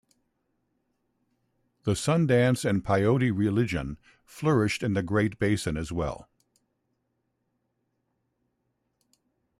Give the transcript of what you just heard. The Sun Dance and Peyote religion flourished in the Great Basin, as well.